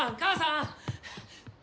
ん？